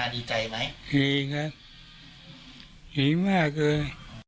ดีมากเลย